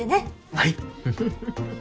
はい。